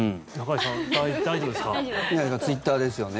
ツイッターですよね？